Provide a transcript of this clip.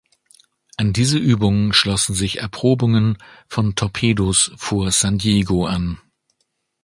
An diese Übungen schlossen sich Erprobungen von Torpedos vor San Diego an.